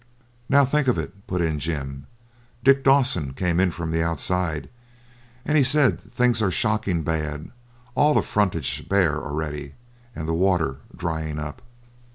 'Now I think of it,' put in Jim, 'Dick Dawson came in from outside, and he said things are shocking bad; all the frontage bare already, and the water drying up.'